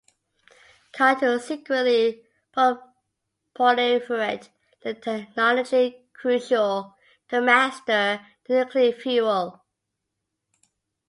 Khan to secretly proliferate the technology crucial to master the nuclear fuel.